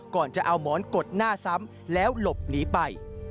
ก่อนจะเอาหมอนกดหน้าซ้ำแล้วหลบหนีไป